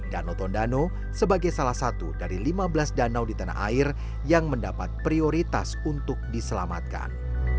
danau tondano sebagai salah satu dari lima belas danau di tanah air yang mendapat prioritas untuk diselamatkan